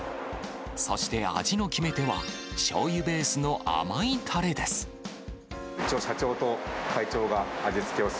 そして、味の決め手はしょうゆベースの甘いたれです。